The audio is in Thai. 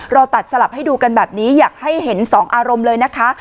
เราตัดสลับให้ดูกันแบบนี้อยากให้เห็นสองอารมณ์เลยนะคะ